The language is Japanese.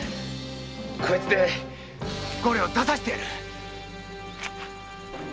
こいつで五両出させてやる。